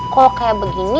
kalau kayak begini